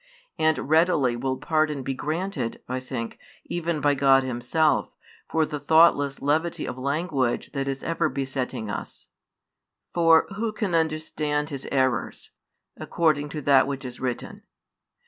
And readily will pardon be granted, I think, even by God Himself, for the thoughtless levity of language that is ever besetting us: for who can understand his errors? according to that which is written.